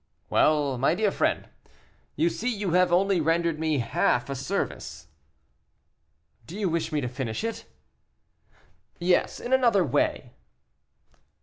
"Well, my dear friend, you see you have only rendered me half a service." "Do you wish me to finish it?" "Yes, in another way."